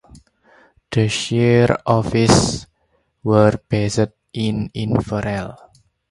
The shire offices were based in Inverell.